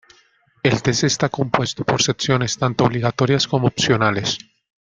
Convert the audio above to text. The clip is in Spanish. El test está compuesto por secciones tanto obligatorias como opcionales.